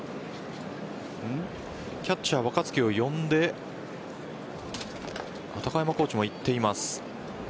キャッチャー・若月を呼んで高山コーチも行っています。